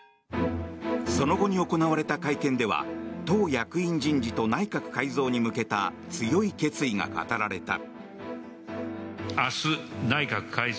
その後に行われた会見では党役員人事と内閣改造に向けた強い決意が語られた。